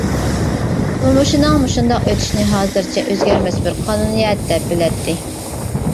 تۇرمۇشىنىڭ مۇشۇنداق ئۆتۈشىنى ھازىرچە ئۆزگەرمەس بىر قانۇنىيەت دەپ بىلەتتى.